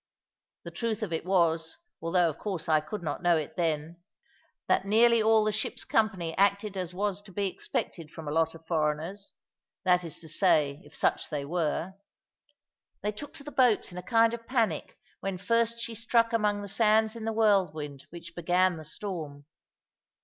The truth of it was, although of course I could not know it then, that nearly all the ship's company acted as was to be expected from a lot of foreigners; that is to say, if such they were. They took to the boats in a kind of panic when first she struck among the sands in the whirlwind which began the storm.